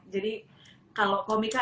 jadi kalau komika